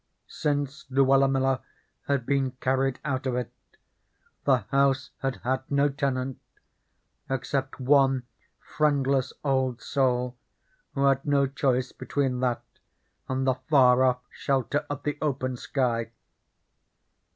Since Luella Miller had been carried out of it, the house had had no tenant except one friendless old soul who had no choice between that and the far off shelter of the open sky.